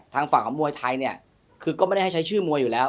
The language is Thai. ทางฝั่งของมวยไทยเนี่ยคือก็ไม่ได้ให้ใช้ชื่อมวยอยู่แล้ว